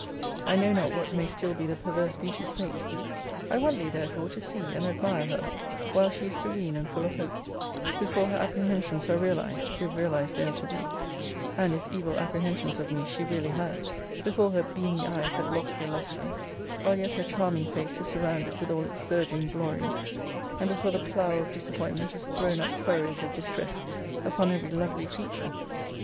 I know not what may still be the perverse beauty's fate: I want thee, therefore, to see and admire her, while she is serene and full of hope: before her apprehensions are realized, if realized they are to be; and if evil apprehensions of me she really has; before her beamy eyes have lost their lustre; while yet her charming face is surrounded with all its virgin glories; and before the plough of disappointment has thrown up furrows of distress upon every lovely feature.